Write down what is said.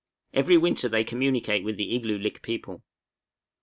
Every winter they communicate with the Igloolik people.